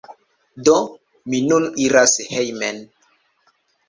Do, mi nun iras hejmen